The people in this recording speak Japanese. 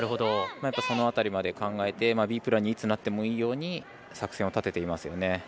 やっぱりその辺りまで考えてＢプランにいつなってもいいように作戦を立てています。